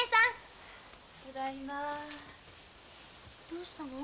どうしたの？